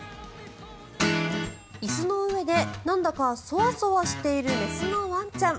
椅子の上でなんだかソワソワしている雌のワンちゃん。